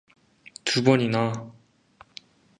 두 번이나!